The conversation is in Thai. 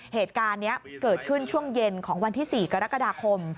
เหตุการณ์นี้เกิดขึ้นช่วงเย็นของวันที่๔กรกฎาคม